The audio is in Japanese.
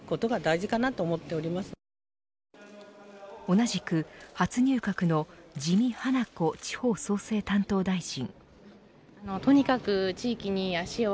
同じく初入閣の自見英子地方創生担当大臣。